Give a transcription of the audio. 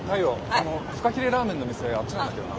あのフカヒレラーメンの店あっちなんだけどな。